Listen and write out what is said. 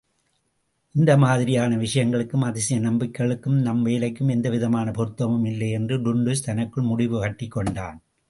இந்த மாதிரியான விஷயங்களுக்கும் அதிசய நம்பிக்கைகளுக்கும் நம் வேலைக்கும் எந்தவிதமான பொருத்தமும் இல்லை என்று டுன்டுஷ் தனக்குள் முடிவுகட்டிக்கொண்டான்.